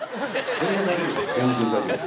全然大丈夫です。